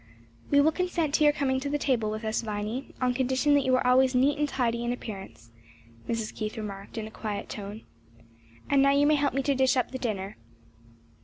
"We will consent to your coming to the table with us, Viny, on condition that you are always neat and tidy in appearance," Mrs. Keith remarked in a quiet tone. "And now you may help me to dish up the dinner."